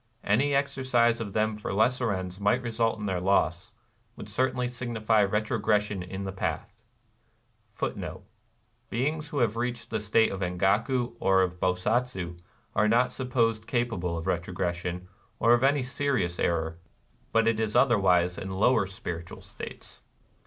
Any exercise of them for lesser ends might result in their loss, — would certainly signify retrogression in the path.^ ^ Beings who have reached the state of Engaku or of Bosatsu are not supposed capable of retrogression, or of any serious error ; but it is otherwise in lower spiritual states.